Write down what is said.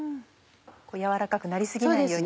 軟らかくなり過ぎないように。